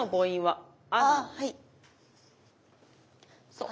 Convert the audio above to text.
そう。